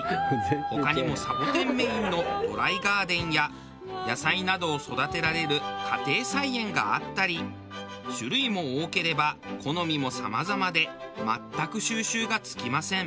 他にもサボテンメインのドライガーデンや野菜などを育てられる家庭菜園があったり種類も多ければ好みもさまざまで全く収拾がつきません。